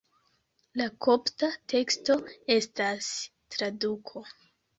La kopta teksto estas traduko.